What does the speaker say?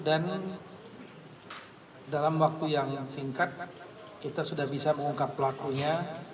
dan dalam waktu yang singkat kita sudah bisa mengungkap pelakunya